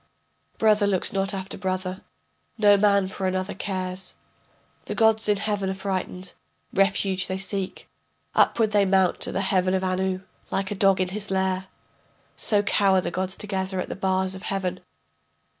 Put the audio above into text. Brother looks not after brother, no man for another cares. The gods in heaven are frightened, refuge they seek, Upward they mount to the heaven of Anu. Like a dog in his lair, So cower the gods together at the bars of heaven.